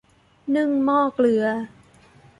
นึ่งหม้อเกลือ